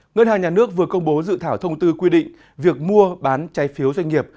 ngân hàng nhà nước vừa công bố dự thảo thông tư quy định việc mua bán trái phiếu doanh nghiệp